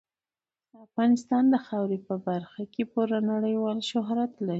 افغانستان د خاورې په برخه کې پوره نړیوال شهرت لري.